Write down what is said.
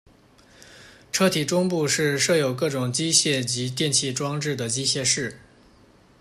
车体中部是设有各种机械及电气装置的机械室。